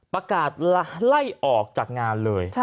ประกาศไล่ออกจากงานเลย